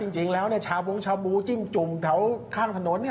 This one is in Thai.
จริงแล้วชาบงชาบูจิ้งจุ่มแถวข้างถนน